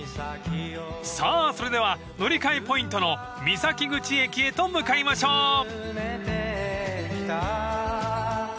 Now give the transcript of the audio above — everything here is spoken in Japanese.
［さぁそれでは乗り換えポイントの三崎口駅へと向かいましょう］